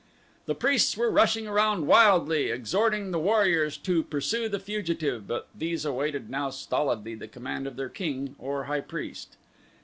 The priests were rushing around wildly, exhorting the warriors to pursue the fugitive but these awaited now stolidly the command of their king or high priest.